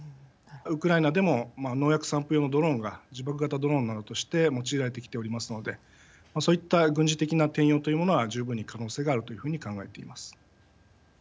ウクライナでも農薬散布用のドローンが自爆型ドローンなどとして用いられてきておりますのでそういった軍事的な転用というものは十分に可能性があるというふうに考えています。